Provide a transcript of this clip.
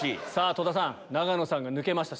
戸田さん永野さんが抜けました